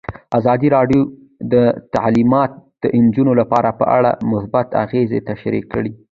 ازادي راډیو د تعلیمات د نجونو لپاره په اړه مثبت اغېزې تشریح کړي.